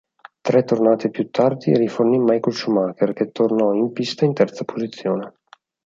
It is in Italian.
Tre tornate più tardi rifornì Michael Schumacher, che tornò in pista in terza posizione.